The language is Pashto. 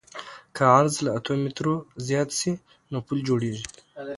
که عرض له اتو مترو زیات شي نو پل جوړیږي